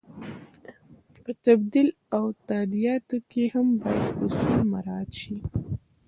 په تبدیل او تادیاتو کې هم باید اصول مراعت شي.